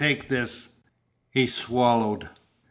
Take this." He swallowed.